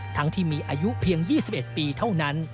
ที่มีอายุเพียง๒๑ปีเท่านั้น